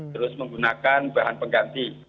terus menggunakan bahan pengganti